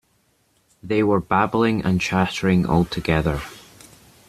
They were babbling and chattering all together.